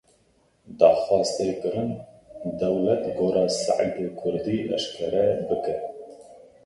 Daxwaz tê kirin dewlet gora Seîdê kurdî eşkere bike.